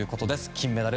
金メダル